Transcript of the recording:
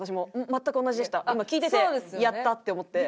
聞いててやったって思って。